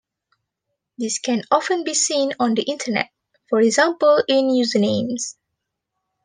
This can often be seen on the internet, for example in usernames.